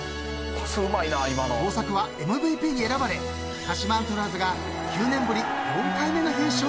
［大迫はＭＶＰに選ばれ鹿島アントラーズが９年ぶり］